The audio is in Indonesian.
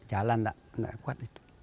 jalan nggak kuat itu